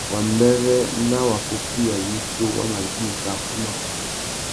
Wambêrê na waffúffüiya wissú wa ma djï kā fuma.